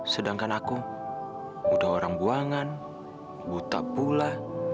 sedangkan aku udah orang buangan buta pula